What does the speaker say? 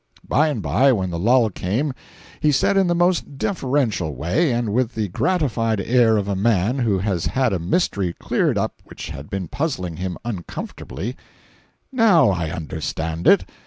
By and by, when the lull came, he said in the most deferential way, and with the gratified air of a man who has had a mystery cleared up which had been puzzling him uncomfortably: "Now I understand it.